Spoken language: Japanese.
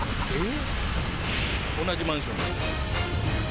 同じマンションで。